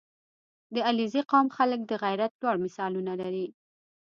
• د علیزي قوم خلک د غیرت لوړ مثالونه لري.